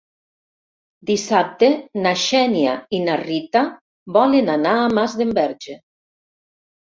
Dissabte na Xènia i na Rita volen anar a Masdenverge.